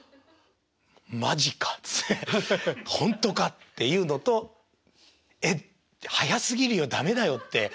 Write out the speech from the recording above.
「ほんとか？」っていうのと「えっ早すぎるよ駄目だよ」って。